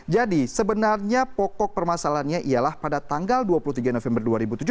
jadi sebenarnya pokok permasalahannya ialah pada tanggal dua puluh tiga november dua ribu tujuh belas